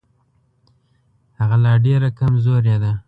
هغه لا ډېره کمزورې ده.